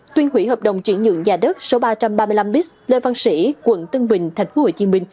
tuyên hủy hợp đồng chuyển nhượng nhà đất số ba trăm ba mươi năm b lê văn sĩ quận tân bình tp hcm